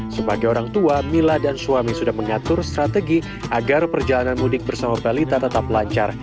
sebagai orang tua mila dan suami sudah mengatur strategi agar perjalanan mudik bersama balita tetap lancar